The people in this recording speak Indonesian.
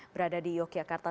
berada di yogyakarta